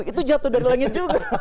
itu jatuh dari langit juga